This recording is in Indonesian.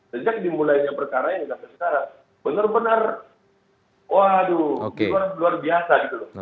sejak dimulainya perkara ini sampai sekarang benar benar waduh luar biasa gitu loh